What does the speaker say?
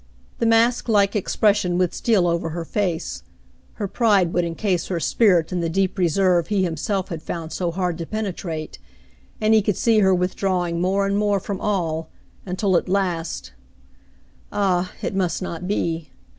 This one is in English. The masklike expression would steal over her face, her pride would en case her spirit in the deep reserve he himself had found so hard to penetrate, and he could see her withdrawing more and more from all, until at last — Ah ! it must not be.